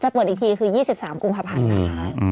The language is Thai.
จะเปิดอีกทีคือ๒๓กลุ่มพระพันธุ์นะคะ